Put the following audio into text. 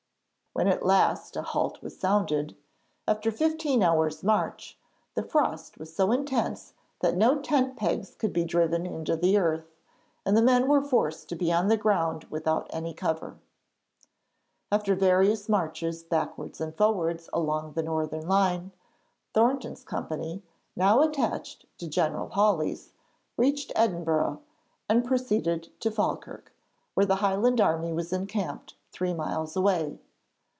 When at last a halt was sounded, after fifteen hours' march, the frost was so intense that no tent pegs could be driven into the earth, and the men were forced to be on the ground without any cover. After various marches backwards and forwards along the northern line, Thornton's company, now attached to General Hawley's, reached Edinburgh and proceeded to Falkirk, where the Highland army was encamped three miles away.